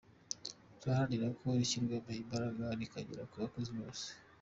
Turaharanira ko rishyirwamo imbaraga rikagera ku bakozi bose.